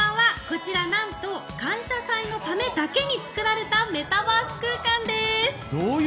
こちらなんと「感謝祭」のためだけに作られたメタバース空間です。